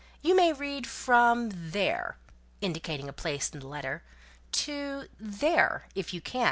You may read from there" (indicating a place in the letter) "to there, if you can.